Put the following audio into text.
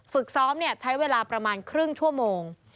ฝึกซ้อมใช้เวลาประมาณครึ่งชั่วโมง